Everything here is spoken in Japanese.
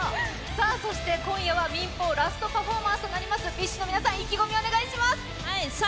そして今夜は民放ラストパフォーマンスとなりますＢｉＳＨの皆さん意気込みをお願いします！